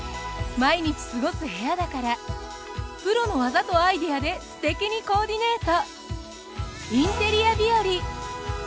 毎日過ごす部屋だからプロの技とアイデアですてきにコーディネート。